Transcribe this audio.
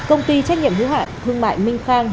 công ty trách nhiệm hữu hạn thương mại minh khang